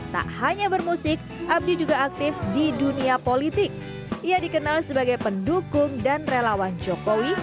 tak hanya bermusik abdi juga aktif di dunia politik ia dikenal sebagai pendukung dan relawan jokowi